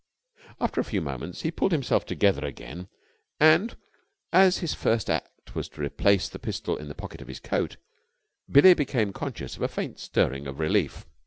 After a few moments, he pulled himself together again, and, as his first act was to replace the pistol in the pocket of his coat, Billie became conscious of a faint stirring of relief.